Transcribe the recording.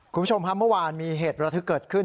คุณผู้ชมครับเมื่อวานมีเหตุระทึกเกิดขึ้น